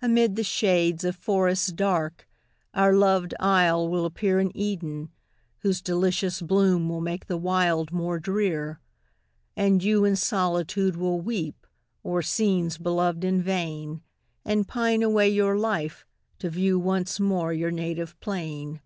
Amid the shades of forests dark, Our loved isle will appear An Eden, whose delicious bloom Will make the wild more drear. And you in solitude will weep O'er scenes beloved in vain, And pine away your life to view Once more your native plain.